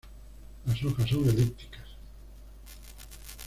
Las hojas son elípticas.